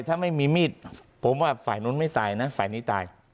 ถ้าไม่มีมีดผมว่าฝ่ายนู้นไม่ตายนะฝ่ายนี้ตาย